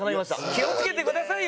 気をつけてくださいよ。